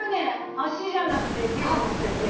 足じゃなくて手をのせて。